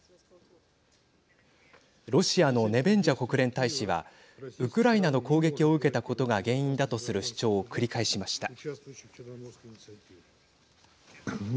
ロシアのネベンジャ国連大使はウクライナの攻撃を受けたことが原因だとする主張を繰り返しました。